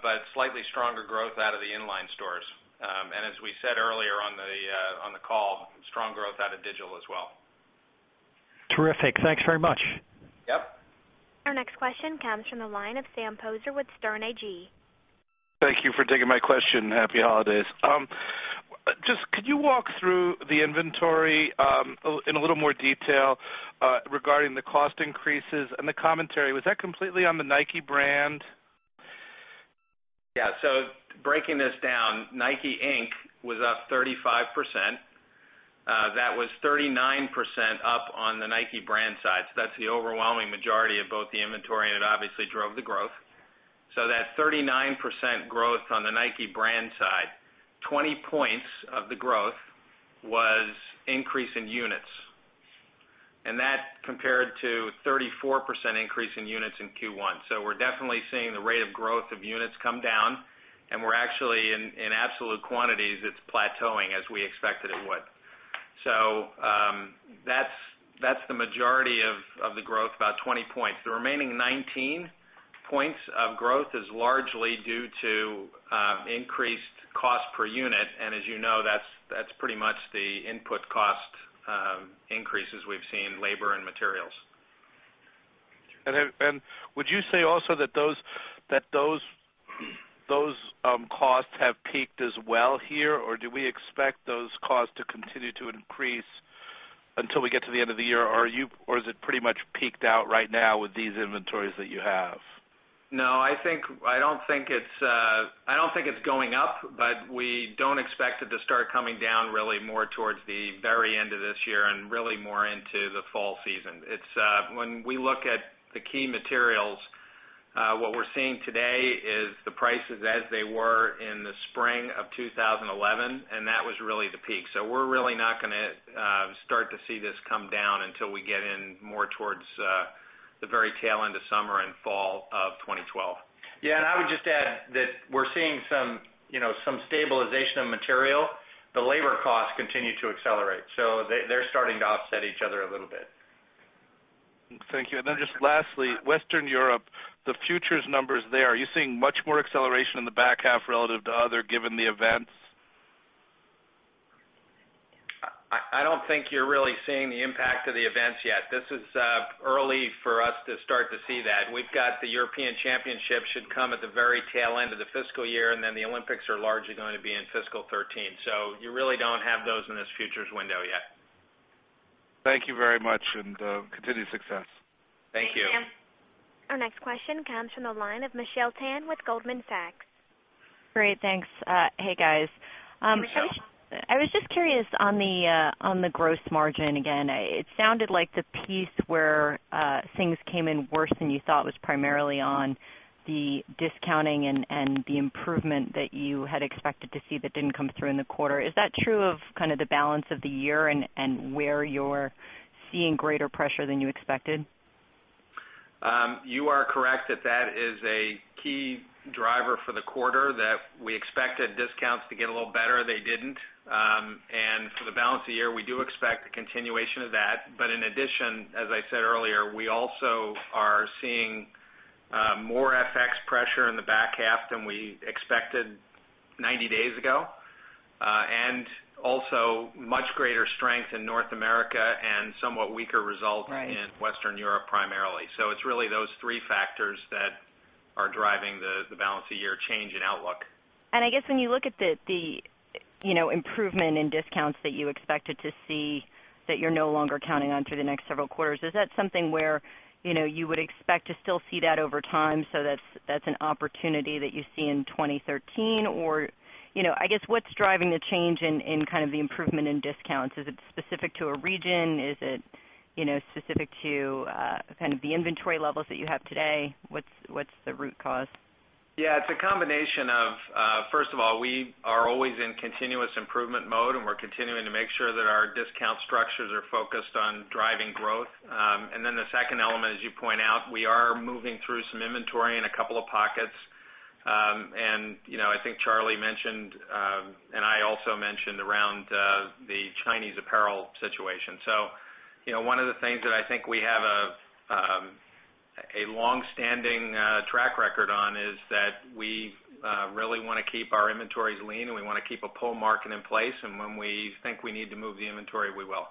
but slightly stronger growth out of the inline stores. As we said earlier on the call, strong growth out of digital as well. Terrific. Thanks very much. Yep. Our next question comes from the line of Sam Poser with Sterne Agee. Thank you for taking my question. Happy holidays. Could you walk through the inventory in a little more detail regarding the cost increases and the commentary? Was that completely on the Nike brand? Yeah, so, breaking this down, NIKE, Inc. was up 35%. That was 39% up on the Nike brand side. That's the overwhelming majority of both the inventory, and it obviously drove the growth. That 39% growth on the Nike brand side, 20 points of the growth was increase in units. That compared to a 34% increase in units in Q1. We're definitely seeing the rate of growth of units come down, and we're actually, in absolute quantities, it's plateauing as we expected it would. That's the majority of the growth, about 20 points. The remaining 19 points of growth is largely due to increased cost per unit, and as you know, that's pretty much the input cost increases we've seen, labor and materials. Would you say also that those costs have peaked as well here, or do we expect those costs to continue to increase until we get to the end of the year, or is it pretty much peaked out right now with these inventories that you have? No, I don't think it's going up, but we don't expect it to start coming down really more towards the very end of this year and really more into the fall season. When we look at the key materials, what we're seeing today is the prices as they were in the spring of 2011, and that was really the peak. We're really not going to start to see this come down until we get in more towards the very tail end of summer and fall of 2012. I would just add that we're seeing some stabilization of material. The labor costs continue to accelerate, so they're starting to offset each other a little bit. Thank you. Lastly, Western Europe, the futures numbers there, are you seeing much more acceleration in the back half relative to others, given the events? I don't think you're really seeing the impact of the events yet. This is early for us to start to see that. We've got the European Championship should come at the very tail end of the fiscal year, and the Olympics are largely going to be in fiscal 2013. You really don't have those in this futures window yet. Thank you very much, and continued success. Thank you. Thanks, Sam. Our next question comes from the line of Michelle Tan with Goldman Sachs. Great, thanks. Hey, guys. Michelle? I was just curious on the gross margin again. It sounded like the piece where things came in worse than you thought was primarily on the discounting, and the improvement that you had expected to see that didn't come through in the quarter. Is that true of kind of the balance of the year and where you're seeing greater pressure than you expected? You are correct that is a key driver for the quarter that we expected discounts to get a little better, they didn't. For the balance of the year, we do expect a continuation of that. In addition, as I said earlier, we also are seeing more FX pressure in the back half than we expected 90 days ago, and also much greater strength in North America and somewhat weaker results in Western Europe primarily. It's really those three factors that are driving the balance of year change in outlook. When you look at the improvement in discounts that you expected to see that you're no longer counting on through the next several quarters, is that something where you would expect to still see that over time? That's an opportunity that you see in 2013, or what's driving the change in kind of the improvement in discounts? Is it specific to a region? Is it specific to the inventory levels that you have today? What's the root cause? Yeah, it's a combination of, first of all, we are always in continuous improvement mode, and we're continuing to make sure that our discount structures are focused on driving growth. The second element, as you point out, we are moving through some inventory in a couple of pockets, and I think Charlie mentioned and I also mentioned around the Chinese apparel situation. One of the things that I think we have a longstanding track record on is that we really want to keep our inventories lean, and we want to keep a pull market in place, and when we think we need to move the inventory, we will.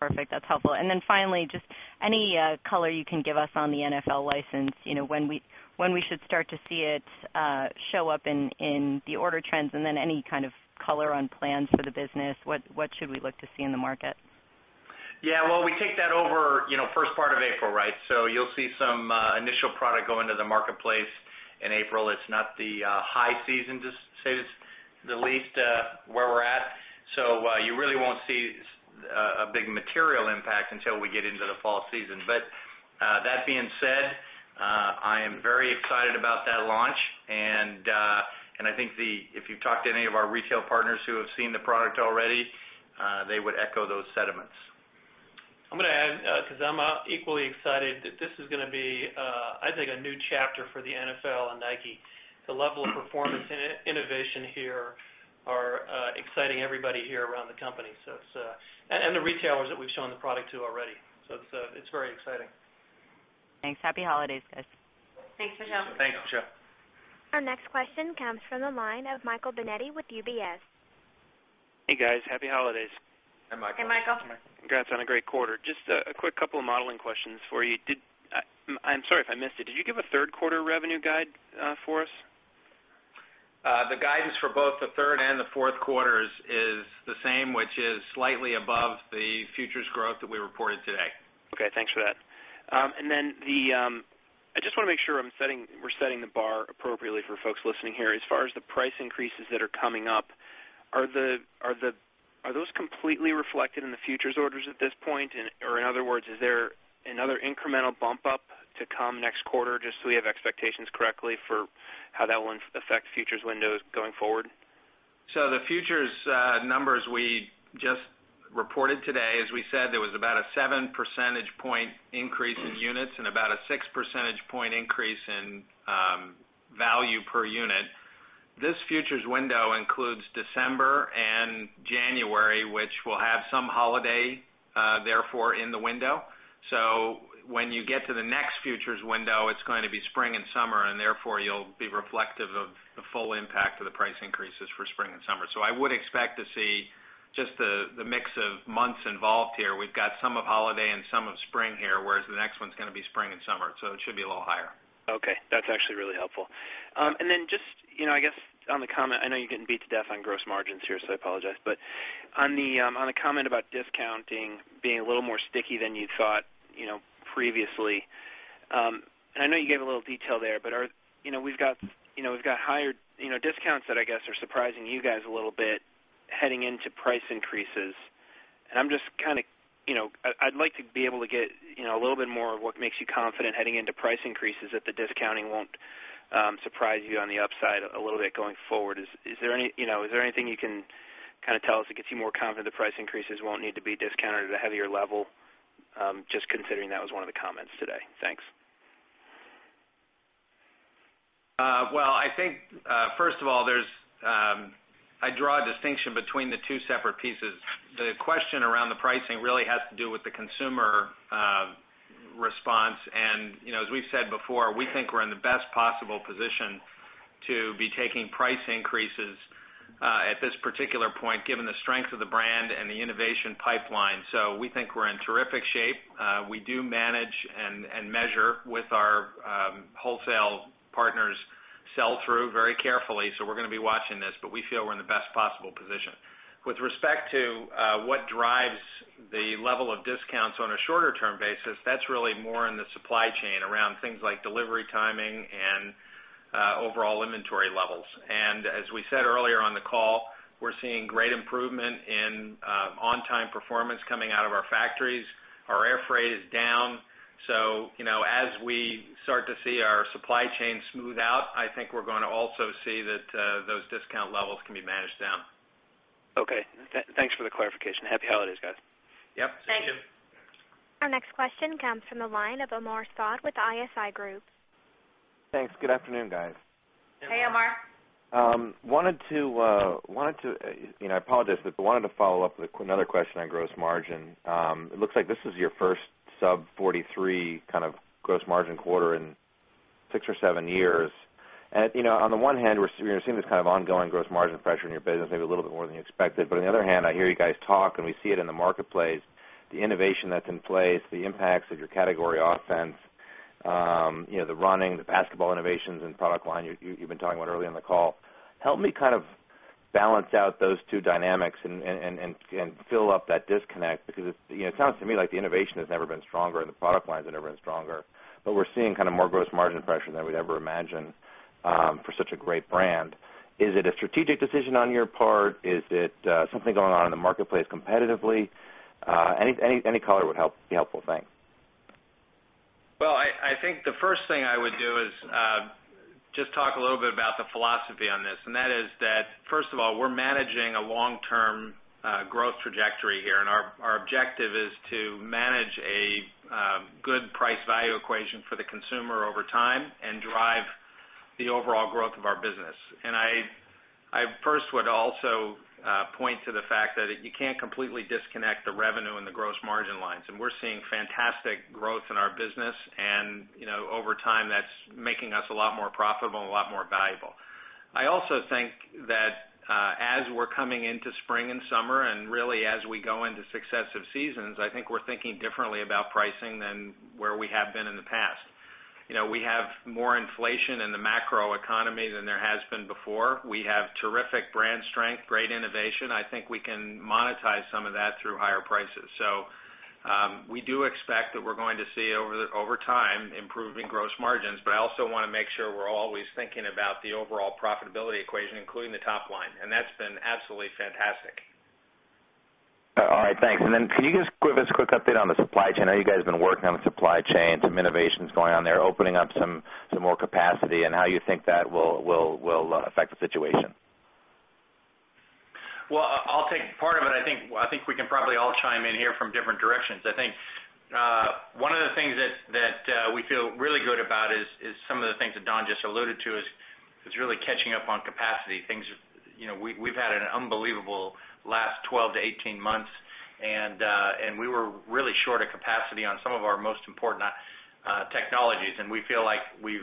Perfect, that's helpful. Finally, just any color you can give us on the NFL product line, you know, when we should start to see it show up in the order trends, and then any kind of color on plans for the business, what should we look to see in the market? Yeah, we take that over, you know, first part of April, right? You'll see some initial product go into the marketplace in April. It's not the high season, to say the least, where we're at. You really won't see a big material impact until we get into the fall season. That being said, I am very excited about that launch, and I think if you've talked to any of our retail partners who have seen the product already, they would echo those sentiments. I'm going to add, because I'm equally excited, that this is going to be, I think, a new chapter for the NFL and Nike. The level of performance and innovation here are exciting everybody here around the company, and the retailers that we've shown the product to already. It is very exciting. Thanks. Happy holidays, guys. Thanks, Michelle. Thanks, Michelle. Our next question comes from the line of Michael Binetti with UBS. Hey, guys. Happy holidays. Hi, Michael. Hey, Michael. Congrats on a great quarter. Just a quick couple of modeling questions for you. I'm sorry if I missed it. Did you give a third quarter revenue guide for us? The guide for both the third and the fourth quarters is the same, which is slightly above the futures growth that we reported today. Okay, thanks for that. I just want to make sure we're setting the bar appropriately for folks listening here. As far as the price increases that are coming up, are those completely reflected in the futures orders at this point? In other words, is there another incremental bump up to come next quarter, just so we have expectations correctly for how that will affect futures windows going forward? The futures numbers we just reported today, as we said, there was about a 7% increase in units and about a 6% increase in value per unit. This futures window includes December and January, which will have some holiday, therefore, in the window. When you get to the next futures window, it's going to be spring and summer, and therefore you'll be reflective of the full impact of the price increases for spring and summer. I would expect to see just the mix of months involved here. We've got some of holiday and some of spring here, whereas the next one's going to be spring and summer. It should be a little higher. Okay, that's actually really helpful. Just, you know, I guess on the comment, I know you're getting beat to death on gross margins here, so I apologize, but on the comment about discounting being a little more sticky than you thought previously, and I know you gave a little detail there, we've got higher discounts that I guess are surprising you guys a little bit heading into price increases. I'm just kind of, you know, I'd like to be able to get a little bit more of what makes you confident heading into price increases that the discounting won't surprise you on the upside a little bit going forward. Is there anything you can kind of tell us that gets you more confident that price increases won't need to be discounted at a heavier level, just considering that was one of the comments today? Thanks. I think first of all, I draw a distinction between the two separate pieces. The question around the pricing really has to do with the consumer response, and you know, as we've said before, we think we're in the best possible position to be taking price increases at this particular point, given the strength of the brand and the innovation pipeline. We think we're in terrific shape. We do manage and measure with our wholesale partners' sell-through very carefully, so we're going to be watching this, but we feel we're in the best possible position. With respect to what drives the level of discounts on a shorter-term basis, that's really more in the supply chain around things like delivery timing and overall inventory levels. As we said earlier on the call, we're seeing great improvement in on-time performance coming out of our factories. Our air freight is down. As we start to see our supply chain smooth out, I think we're going to also see that those discount levels can be managed down. Okay, thanks for the clarification. Happy holidays, guys. Yep, same to you. Our next question comes from the line of Omar Saad with ISI Group. Thanks. Good afternoon, guys. Hey, Omar. I apologize, but wanted to follow up with another question on gross margin. It looks like this is your first sub-43% kind of gross margin quarter in six or seven years. On the one hand, we're seeing this kind of ongoing gross margin pressure in your business, maybe a little bit more than you expected. On the other hand, I hear you guys talk, and we see it in the marketplace, the innovation that's in place, the impacts of your category offense, the running, the basketball innovations and product line you've been talking about earlier in the call. Help me kind of balance out those two dynamics and fill up that disconnect because it sounds to me like the innovation has never been stronger and the product lines have never been stronger, but we're seeing kind of more gross margin pressure than we'd ever imagine for such a great brand. Is it a strategic decision on your part? Is it something going on in the marketplace competitively? Any color would be helpful, thanks. I think the first thing I would do is just talk a little bit about the philosophy on this, and that is that, first of all, we're managing a long-term growth trajectory here, and our objective is to manage a good price-value equation for the consumer over time and drive the overall growth of our business. I first would also point to the fact that you can't completely disconnect the revenue and the gross margin lines, and we're seeing fantastic growth in our business, and you know, over time, that's making us a lot more profitable and a lot more valuable. I also think that as we're coming into spring and summer, and really as we go into successive seasons, I think we're thinking differently about pricing than where we have been in the past. You know, we have more inflation in the macro economy than there has been before. We have terrific brand strength, great innovation. I think we can monetize some of that through higher prices. We do expect that we're going to see over time improving gross margins, but I also want to make sure we're always thinking about the overall profitability equation, including the top line, and that's been absolutely fantastic. All right, thanks. Can you give us a quick update on the supply chain? I know you guys have been working on the supply chain, some innovations going on there, opening up some more capacity, and how you think that will affect the situation? I think we can probably all chime in here from different directions. I think one of the things that we feel really good about is some of the things that Don just alluded to, is really catching up on capacity. You know, we've had an unbelievable last 12-18 months, and we were really short of capacity on some of our most important technologies, and we feel like we've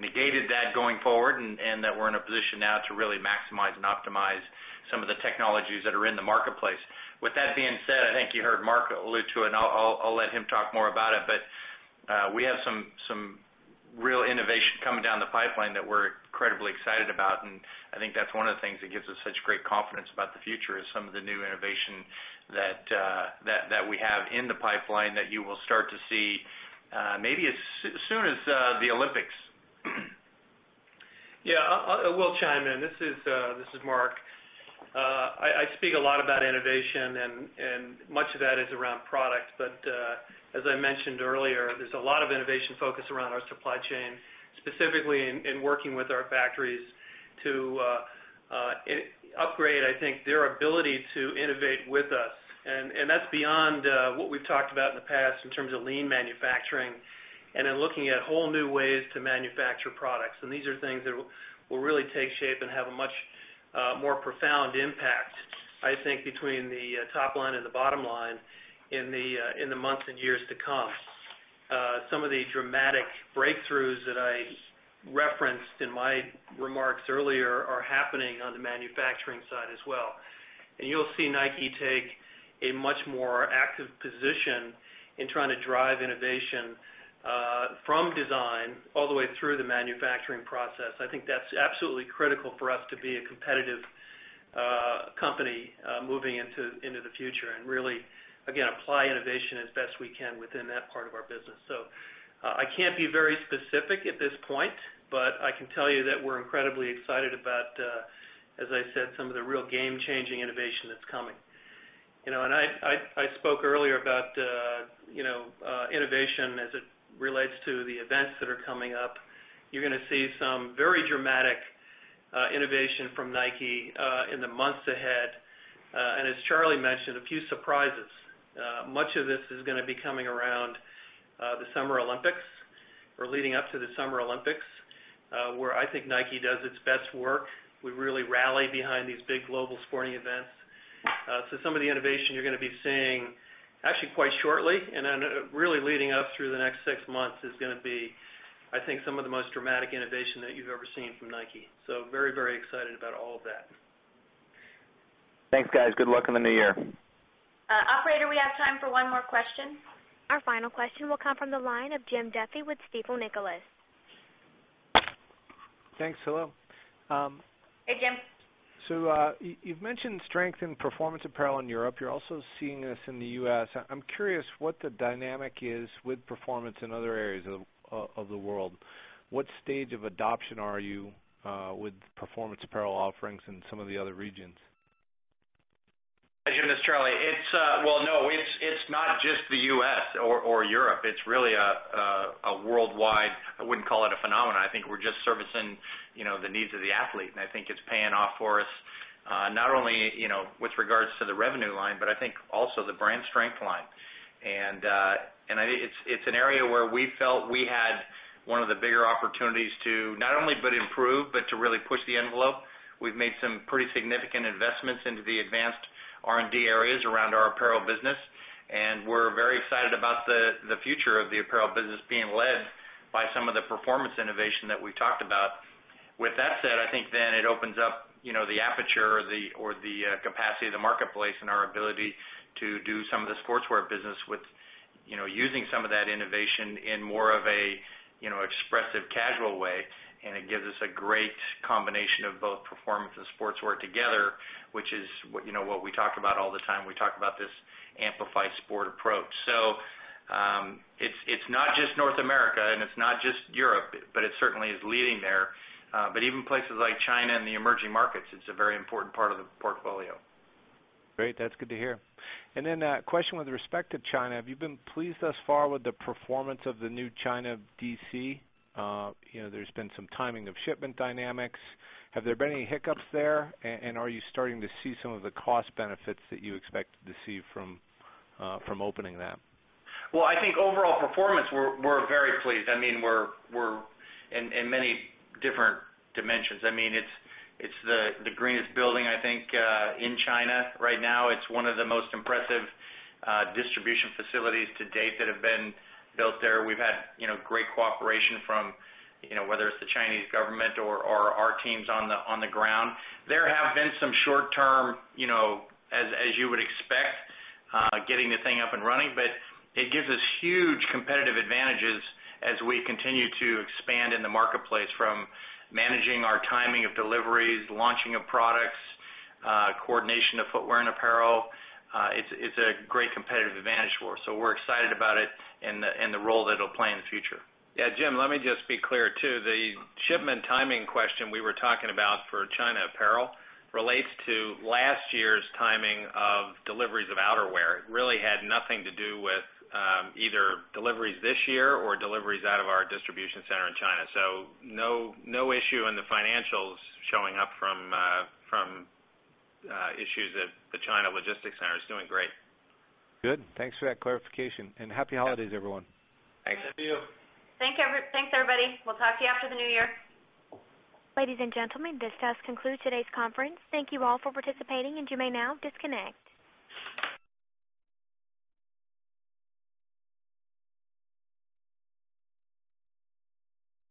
negated that going forward and that we're in a position now to really maximize and optimize some of the technologies that are in the marketplace. With that being said, I think you heard Mark allude to it, and I'll let him talk more about it, but we have some real innovation coming down the pipeline that we're incredibly excited about, and I think that's one of the things that gives us such great confidence about the future, is some of the new innovation that we have in the pipeline that you will start to see maybe as soon as the Olympics. Yeah, I will chime in. This is Mark. I speak a lot about innovation, and much of that is around product, but as I mentioned earlier, there's a lot of innovation focus around our supply chain, specifically in working with our factories to upgrade, I think, their ability to innovate with us. That's beyond what we've talked about in the past in terms of lean manufacturing and in looking at whole new ways to manufacture products. These are things that will really take shape and have a much more profound impact, I think, between the top line and the bottom line in the months and years to come. Some of the dramatic breakthroughs that I referenced in my remarks earlier are happening on the manufacturing side as well. You'll see Nike take a much more active position in trying to drive innovation from design all the way through the manufacturing process. I think that's absolutely critical for us to be a competitive company moving into the future and really, again, apply innovation as best we can within that part of our business. I can't be very specific at this point, but I can tell you that we're incredibly excited about, as I said, some of the real game-changing innovation that's coming. I spoke earlier about innovation as it relates to the events that are coming up. You're going to see some very dramatic innovation from Nike in the months ahead, and as Charlie mentioned, a few surprises. Much of this is going to be coming around the Summer Olympics or leading up to the Summer Olympics, where I think Nike does its best work. We really rally behind these big global sporting events. Some of the innovation you're going to be seeing actually quite shortly and then really leading up through the next six months is going to be, I think, some of the most dramatic innovation that you've ever seen from Nike. Very, very excited about all of that. Thanks, guys. Good luck in the new year. Operator, we have time for one more question. Our final question will come from the line of Jim Duffy with Stifel Nicolaus. Thanks, hello. Hey, Jim. You've mentioned strength in performance apparel in Europe. You're also seeing this in the U.S. I'm curious what the dynamic is with performance in other areas of the world. What stage of adoption are you with performance apparel offerings in some of the other regions? Hi, Jim. This is Charlie. No, it's not just the U.S. or Europe. It's really a worldwide, I wouldn't call it a phenomenon. I think we're just servicing the needs of the athlete, and I think it's paying off for us not only with regards to the revenue line, but I think also the brand strength line. It's an area where we felt we had one of the bigger opportunities to not only improve, but to really push the envelope. We've made some pretty significant investments into the advanced R&D areas around our apparel business, and we're very excited about the future of the apparel business being led by some of the performance innovation that we've talked about. With that said, I think it opens up the aperture or the capacity of the marketplace and our ability to do some of the sportswear business with using some of that innovation in more of an expressive casual way, and it gives us a great combination of both performance and sportswear together, which is what we talk about all the time. We talk about this amplified sport approach. It's not just North America, and it's not just Europe, but it certainly is leading there. Even places like China and the emerging markets, it's a very important part of the portfolio. Great, that's good to hear. A question with respect to China. Have you been pleased thus far with the performance of the new China DC? There's been some timing of shipment dynamics. Have there been any hiccups there, and are you starting to see some of the cost benefits that you expected to see from opening that? I think overall performance, we're very pleased. I mean, we're in many different dimensions. It's the greenest building, I think, in China right now. It's one of the most impressive distribution facilities to date that have been built there. We've had great cooperation from whether it's the Chinese government or our teams on the ground. There have been some short term, as you would expect, getting the thing up and running, but it gives us huge competitive advantages as we continue to expand in the marketplace from managing our timing of deliveries, launching of products, coordination of footwear and apparel. It's a great competitive advantage for us, so we're excited about it and the role that it'll play in the future. Jim, let me just be clear too. The shipment timing question we were talking about for China apparel relates to last year's timing of deliveries of outerwear. It really had nothing to do with either deliveries this year or deliveries out of our distribution center in China. No issue in the financials showing up from issues at the China logistics center. It's doing great. Good. Thanks for that clarification, and happy holidays, everyone. Thanks. Same to you. Thanks, everybody. We'll talk to you after the new year. Ladies and gentlemen, this does conclude today's conference. Thank you all for participating, and you may now disconnect.